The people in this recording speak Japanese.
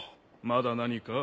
まだ何か？